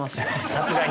さすがに。